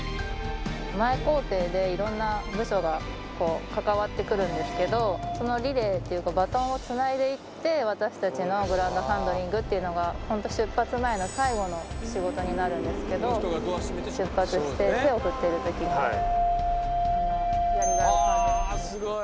前工程で、いろんな部署が関わってくるんですけど、そのリレーというか、バトンをつないでいって、私たちのグランドハンドリングというのが、本当、出発前の最後の仕事になるんですけど、出発して手を振っているときがやりがいを感じますね。